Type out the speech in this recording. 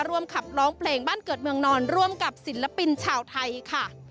ร่วมขับร้องเพลงบ้านเกิดเมืองนอนร่วมกับศิลปินชาวไทยค่ะ